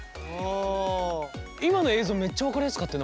今の映像めっちゃ分かりやすかったよね。